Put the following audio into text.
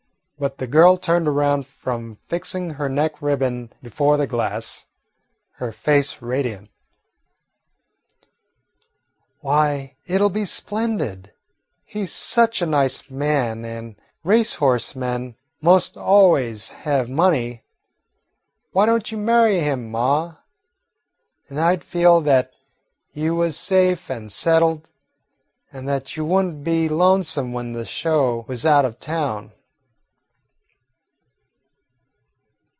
But the girl turned around from fixing her neck ribbon before the glass, her face radiant. "Why, it 'll be splendid. He 's such a nice man, an' race horse men 'most always have money. Why don't you marry him, ma? Then I 'd feel that you was safe an' settled, an' that you would n't be lonesome when the show was out of town."